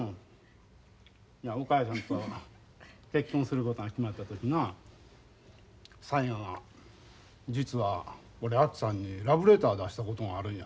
お母ちゃんと結婚することが決まった時な雑賀が「実は俺あきさんにラブレター出したことがあるんや。